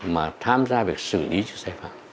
mà tham gia việc xử lý cho xe phạm